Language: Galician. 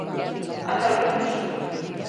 Ata o luns!